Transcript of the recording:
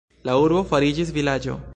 La urbo fariĝis vilaĝo.